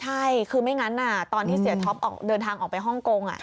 ใช่คือไม่งั้นตอนที่เสียท็อปออกเดินทางออกไปฮ่องกง